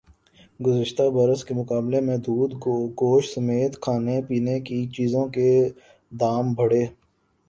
گزشتہ برس کے مقابلے میں دودھ گوشت سمیت کھانے پینے کی چیزوں کے دام بڑھے